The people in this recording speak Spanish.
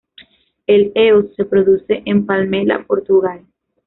El Eos se produce en Palmela, Portugal.